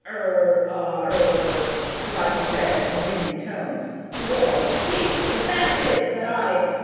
"Er ... ah ... er...." Roger said in winning tones. "Well, you see, the fact is that I...."